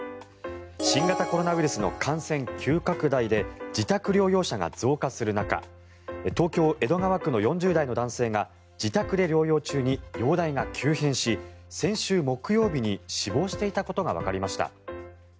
新型コロナウイルスの感染急拡大で自宅療養者が増加する中東京・江戸川区の４０代の男性が自宅で療養中に容体が急変し先週木曜日に死亡していたことがわかりました。